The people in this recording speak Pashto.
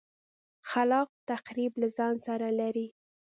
خلاق تخریب له ځان سره لري.